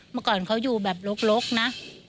เมื่อก่อนเขาอยู่แบบลกนะ